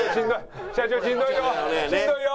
社長しんどいよ！